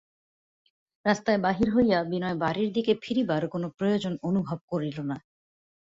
রাস্তায় বাহির হইয়া বিনয় বাড়ির দিকে ফিরিবার কোনো প্রয়োজন অনুভব করিল না।